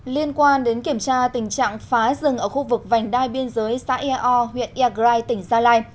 liên quan đến kiểm tra tình trạng phá rừng ở khu vực vành đai biên giới xã iao huyện iagrai tỉnh gia lai